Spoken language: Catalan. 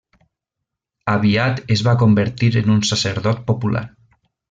Aviat es va convertir en un sacerdot popular.